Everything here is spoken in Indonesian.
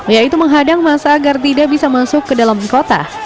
yaitu menghadang masa agar tidak bisa masuk ke dalam kota